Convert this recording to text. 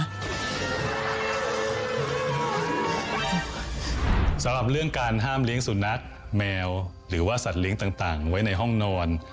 สำหรับเรื่องการห้ามเลี้ยงสุนัขแมวหรือว่าสัตว์เลี้ยงต่างไว้ในห้องนอน